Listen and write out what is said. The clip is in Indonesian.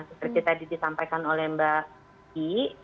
seperti tadi disampaikan oleh mbak di